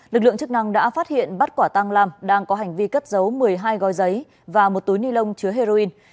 lực lượng chức năng đã phát hiện bắt quả tăng lam đang có hành vi cất giấu một mươi hai gói giấy và một túi ni lông chứa heroin